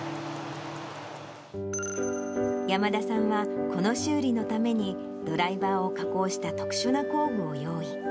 山田さんはこの修理のためにドライバーを加工した特殊な工具を用意。